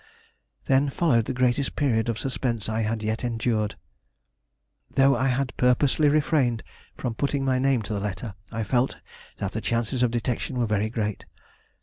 Then followed the greatest period of suspense I had yet endured. Though I had purposely refrained from putting my name to the letter, I felt that the chances of detection were very great.